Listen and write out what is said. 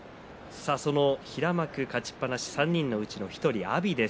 平幕勝ちっぱなし３人のうちの１人、阿炎です。